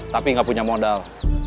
tapi gak punya modal